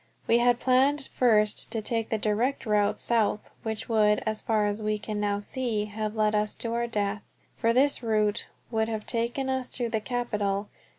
We had planned first to take the direct route south, which would, as far as we can now see, have led us to our death, for this route would have taken us through the capital.